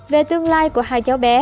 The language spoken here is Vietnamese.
về tương lai của hai cháu bé